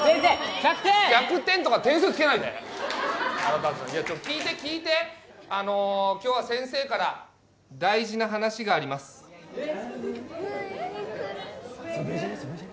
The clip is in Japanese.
１００点とか点数つけないで腹立ついや聞いて聞いてあの今日は先生から大事な話があります祖父江じゃね？